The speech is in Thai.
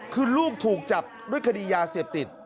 คือลูกถูกจับด้วยคดียาเสพติด